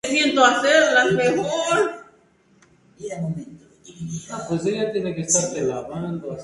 Dicho equipo posee equipación de color rojo.